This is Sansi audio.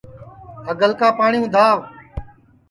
پہلکا پاٹؔی اُندھاو